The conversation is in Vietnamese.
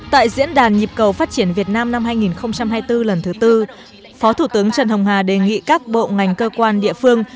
tại diễn đàn nhịp cầu phát triển việt nam năm hai nghìn hai mươi bốn lần thứ tư phó thủ tướng trần hồng hà đề nghị các bộ ngành cơ quan địa phương